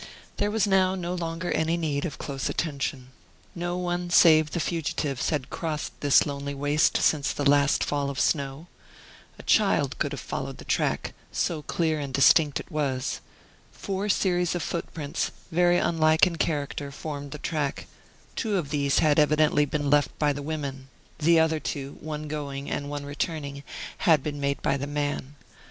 There was now no longer any need of close attention. No one save the fugitives had crossed this lonely waste since the last fall of snow. A child could have followed the track, so clear and distinct it was. Four series of footprints, very unlike in character, formed the track; two of these had evidently been left by the women; the other two, one going and one returning, had been made by the man.